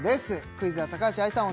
クイズは高橋愛さん